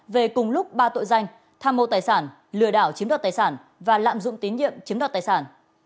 về cùng lúc ba tội danh tham mô tài sản lừa đảo chiếm đoạt tài sản và lạm dụng tín nhiệm chiếm đoạt tài sản